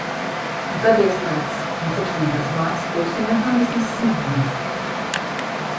Un tad ieslēdzas mans apzinīgās mātes pulksteņmehānisms smadzenēs.